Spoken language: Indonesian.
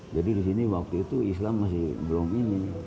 jadi di sini waktu itu islam masih belum ini